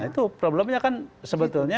itu problemnya kan sebetulnya